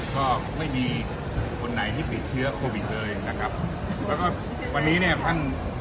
ก็ไม่มีคนไหนที่ติดเชื้อโควิดเลยนะครับแล้วก็วันนี้เนี่ยท่าน